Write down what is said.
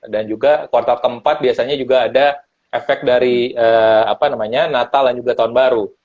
dan juga kuartal keempat biasanya juga ada efek dari natal dan juga tahun baru